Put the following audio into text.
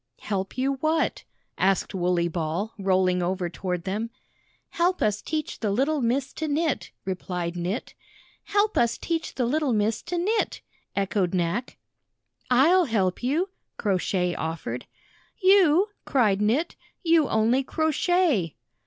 "Help you what?" asked Wooley Ball, rolling over toward them. "Help us teach the httle Miss to knit," replied Knit. "Help us teach the little Miss to knit," echoed Knack. "I'll help you!" Crow Shay offered. "You?" cried Knit. "You only crochet!"